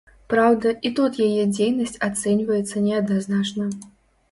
Праўда, і тут яе дзейнасць ацэньваецца неадназначна.